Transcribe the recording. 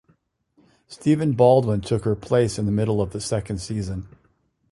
Stephen Baldwin took her place in the middle of the second season.